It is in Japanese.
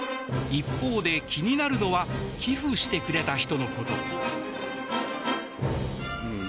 一方で気になるのは寄付してくれた人のこと。